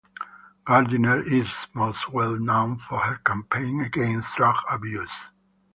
Gardiner is most well known for her campaign against drug abuse.